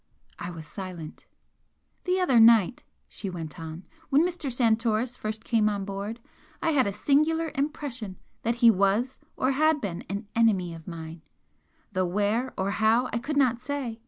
I was silent. "The other night," she went on "when Mr. Santoris first came on board I had a singular impression that he was or had been an enemy of mine, though where or how I could not say.